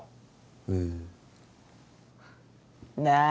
へえなー